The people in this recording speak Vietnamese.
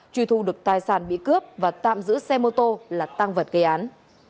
truy thu được tài sản bị cướp và tạm giữ xe mô tô là tăng vật gây án